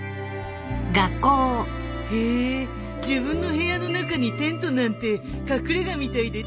へえ自分の部屋の中にテントなんて隠れ家みたいで楽しそうだね。